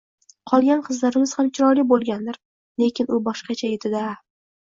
Qolgan qizlarimiz ham chiroyli boʻlgandir, lekin u boshqacha edi-da.